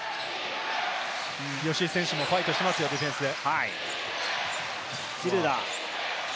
吉井選手もファイトしていますよ、ディフェンスで。